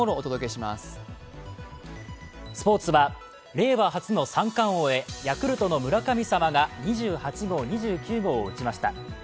スポーツは令和初の三冠王へ、ヤクルトの村神様が２８号、２９号を打ちました。